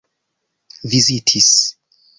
vizitis